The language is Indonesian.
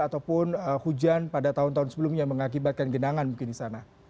ataupun hujan pada tahun tahun sebelumnya mengakibatkan genangan mungkin di sana